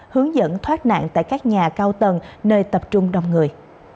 hướng dẫn thoát nạn tại các nhà cao tầng nơi tập trung đông người